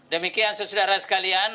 demikian saudara saudara sekalian